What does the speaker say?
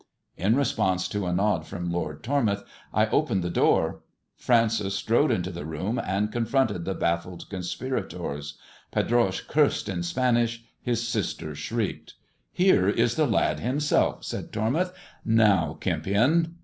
In response to a nod from Lord Tormouth, I opened the door. Francis strode into the room, and confronted the baffled conspirators. Pedroche cursed in Spanish, his sister shrieked. "Here is the lad himself," said Tormouth. "Now, Kempion."